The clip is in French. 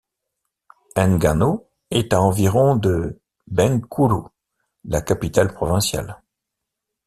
Enggano est à environ de Bengkulu, la capitale provinciale.